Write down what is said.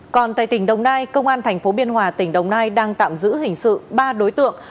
còn tại tỉnh đồng nai công an thành phố biên hòa tỉnh đồng nai đang tạm giữ hình sự ba đối tượng